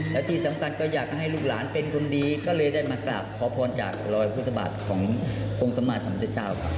แล้วที่สำคัญก็อยากให้ลูกหลานเป็นคนดีก็เลยได้มากราบขอพรจากรอยพุทธบาทขององค์สัมมาสัมพุทธเจ้าครับ